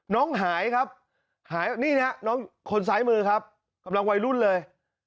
น้องหายครับหายนี่นะครับน้องคนซ้ายมือครับกำลังวัยรุ่นเลย